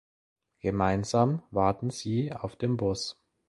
Gemeinsam warten sie auf den Bus.